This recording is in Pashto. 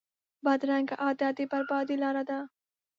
بدرنګه عادت د بربادۍ لاره ده